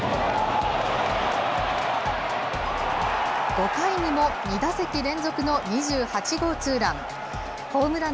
５回にも、２打席連続の２８号ツーラン。